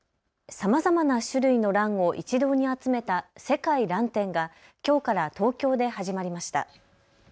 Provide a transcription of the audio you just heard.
さまざまな種類のらんを一堂に集めた世界らん展がきょうから東京で始まりました。